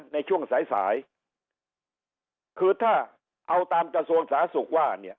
ในช่วงสายสายคือถ้าเอาตามกระทรวงสาธารณสุขว่าเนี่ย